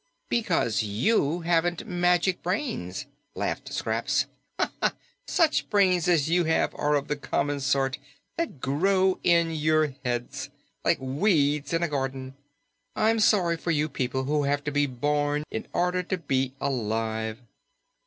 "Because you haven't magic brains," laughed Scraps. "Such brains as you have are of the common sort that grow in your heads, like weeds in a garden. I'm sorry for you people who have to be born in order to be alive."